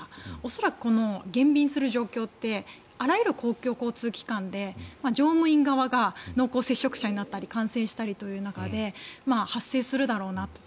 恐らく、減便する状況ってあらゆる公共交通機関で乗務員側が濃厚接触者になったり感染したりという中で発生するだろうなと。